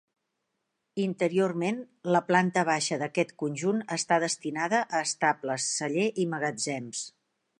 Interiorment, la planta baixa d'aquest conjunt està destinada a estables, celler i magatzems.